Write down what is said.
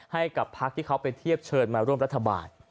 ให้กับพักที่เขาไปเทียบเชิญมาร่วมรัฐบาล